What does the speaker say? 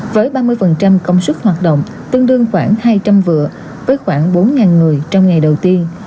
với ba mươi công sức hoạt động tương đương khoảng hai trăm linh vựa với khoảng bốn người trong ngày đầu tiên